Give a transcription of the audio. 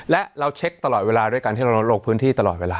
และเราเช็คตลอดเวลาด้วยการที่เราลงพื้นที่ตลอดเวลา